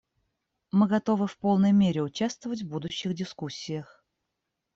Мы готовы в полной мере участвовать в будущих дискуссиях.